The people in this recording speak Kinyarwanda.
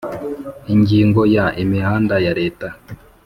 Ingingo ya imihanda ya leta